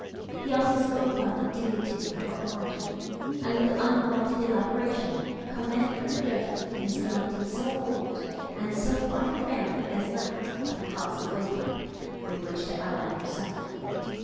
He also spoke about the dignity of her origin, and with unwonted elaboration commended her judgment in selecting so old and so fine a family as that of the house of Winthrop with which to ally herself.